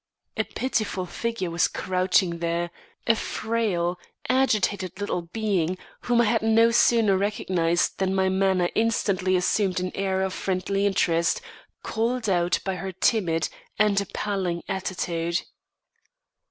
A pitiful figure was crouching there, a frail, agitated little being, whom I had no sooner recognised than my manner instantly assumed an air of friendly interest, called out by her timid and appealing attitude.